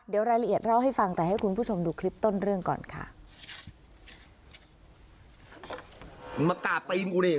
เดี๋ยวรายละเอียดเล่าให้ฟังแต่ให้คุณผู้ชมดูคลิปต้นเรื่องก่อนค่ะ